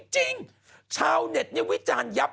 ชาวเน็ตวิจารณ์ยับ